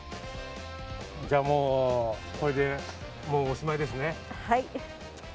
じゃあ、もうこれでおしまいですね。